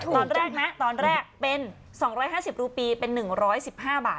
ตอนแรกนะตอนแรกเป็น๒๕๐รูปีเป็น๑๑๕บาท